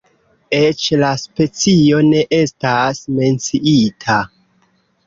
Eĉ la specio ne estas menciita.